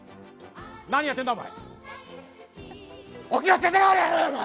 何やってんだ、お前！